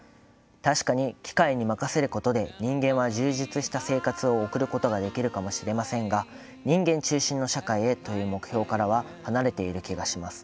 確かに、機械に任せることで人間は充実した生活を送ることができるかもしれませんが人間中心の社会という目標からは離れている気がします。